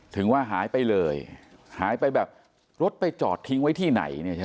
ถึงว่าหายไปเลยหายไปแบบรถไปจอดทิ้งไว้ที่ไหน